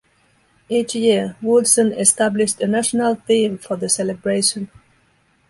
Each year, Woodson established a national theme for the celebration.